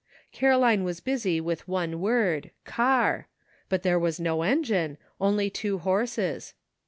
Caroline was busy with one word, "car," but there was no engine, only two horses.